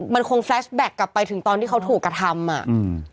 มันคงแฟชแบ็คกลับไปถึงตอนที่เขาถูกกระทำอ่ะอืม